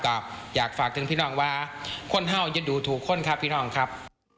ก็อยากฝากถึงพี่น้องว่าคนเห่าจะดูถูกคนครับพี่น้องครับ